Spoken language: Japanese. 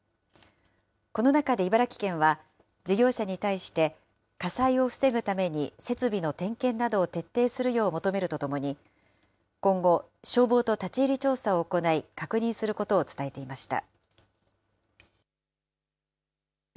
この中で茨城県は、事業者に対して、火災を防ぐために設備の点検などを徹底するよう求めるとともに、今後、消防と立ち入り調査を行い、確認することを伝えていました。